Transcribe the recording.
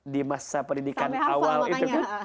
di masa pendidikan awal itu kan